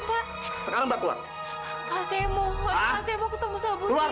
pak saya nggak mau keluar